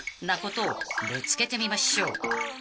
なことをぶつけてみましょう］